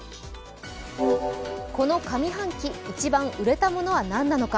この上半期、一番売れたものは何なのか。